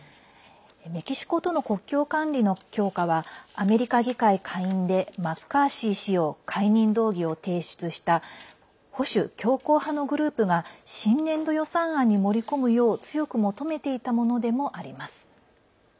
メキシコとの国境管理の強化はアメリカ議会下院でマッカーシー氏の解任動議を提案した保守強硬派のグループが新年度予算案に盛り込むよう強く求めていたものでもあります。